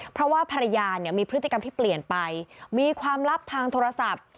เพราะว่าภรรยาเนี่ยมีพฤติกรรมที่เปลี่ยนไปมีความลับทางโทรศัพท์